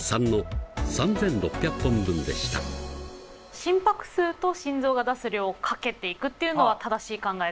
心拍数と心臓が出す量を掛けていくっていうのは正しい考え方。